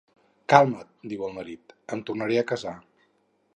"Calma't", diu el marit, "em tornaré a casar".